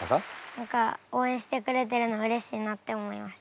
何か応援してくれてるのうれしいなって思いました。